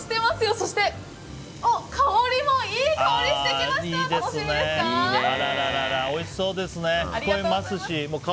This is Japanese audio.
そして、香りもいい香りしてきました！楽しみですか？